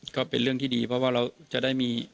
ก็เป็นเรื่องที่ดีเพราะว่าเราจะได้มี